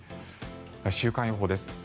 週間予報です。